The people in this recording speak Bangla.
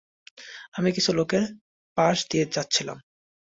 আমি কিছু লোকের পাশ দিয়ে যাচ্ছিলাম।